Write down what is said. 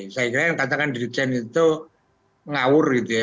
saya kira yang katakan dirjen itu ngawur gitu ya